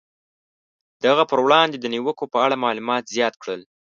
د هغه پر وړاندې د نیوکو په اړه معلومات زیات کړل.